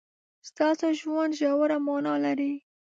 ستاسو ژوند ژوره مانا لري.